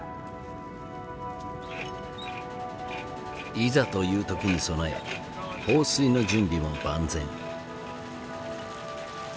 いざという時に備え放水の準備も万全。